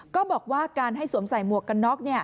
ก็บอกว่าการให้สวมใส่หมวกกันน็อก